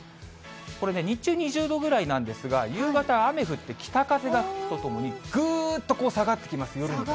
これね、日中２０度ぐらいなんですが、夕方、雨降って北風が吹くとともにぐーっと下がってきます、夜になると。